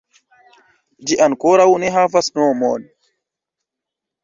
Ĝi ankoraŭ ne havas nomon.